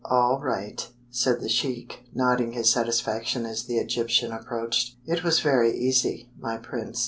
"All right," said the sheik, nodding his satisfaction as the Egyptian approached. "It was very easy, my prince.